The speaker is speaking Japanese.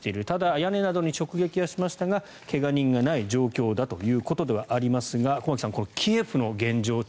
ただ屋根などに直撃はしましたが怪我人がない状況だということではありますが駒木さん、キエフの現状